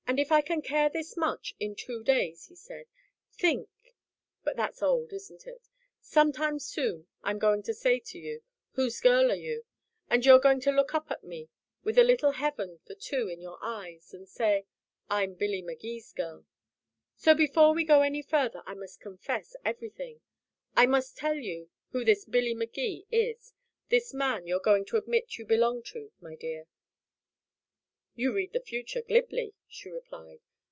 "If I can care this much in two days," he said, "think but that's old, isn't it? Sometime soon I'm going to say to you: 'Whose girl are you?' and you're going to look up at me with a little heaven for two in your eyes and say: 'I'm Billy Magee's girl.' So before we go any further I must confess everything I must tell you who this Billy Magee is this man you're going to admit you belong to, my dear." "You read the future glibly," she replied.